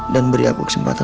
dan beri aku kesempatan